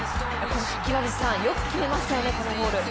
岩渕さん、よく決めましたよね、このゴール。